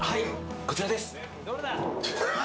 こちらです！